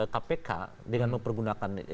kpk dengan mempergunakan